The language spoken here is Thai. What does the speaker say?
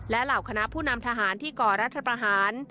และเหล่าคณะผู้นำทหารที่ก่อรัฐประหาร